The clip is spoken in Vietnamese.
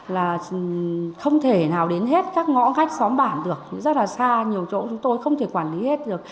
là không thể nào đến hết các ngõ ngách xóm bản được rất là xa nhiều chỗ chúng tôi không thể quản lý hết được